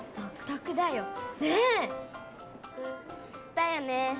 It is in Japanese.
だよね！